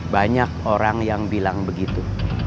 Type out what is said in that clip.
banyak orang yang bilang begitu